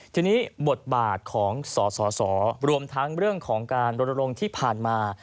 ทีนี้บทบาทของสสรวมทั้งเรื่องของการรณรงค์ที่ผ่านมา